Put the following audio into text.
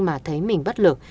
mà thấy mình bất lực